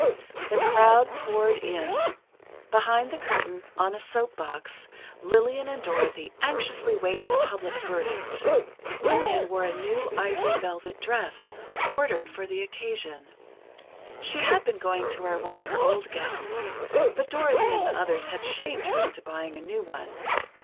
The crowd poured in. Behind the curtain, on a soap box, Lillian and Dorothy anxiously waited the public verdict. Lillian wore a new ivory velvet dress, ordered for the occasion. She had been going to wear one of her old gowns, but Dorothy and the others had shamed her into buying a new one.